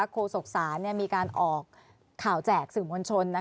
โศกศาลมีการออกข่าวแจกสื่อมวลชน